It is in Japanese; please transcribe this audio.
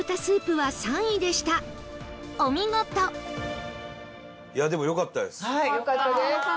はいよかったです。